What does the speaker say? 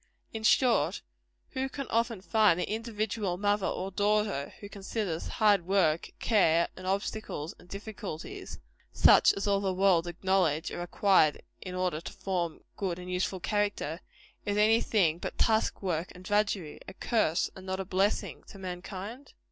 In short, who can often find the individual mother or daughter, who considers hard work, and care, and obstacles, and difficulties such as all the world acknowledge are required in order to form good and useful character as any thing but task work and drudgery a curse, and not a blessing, to mankind?